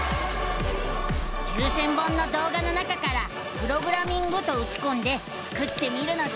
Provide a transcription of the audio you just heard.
９，０００本の動画の中から「プログラミング」とうちこんでスクってみるのさ！